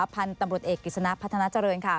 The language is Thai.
พันธุ์ตำรวจเอกกฤษณะพัฒนาเจริญค่ะ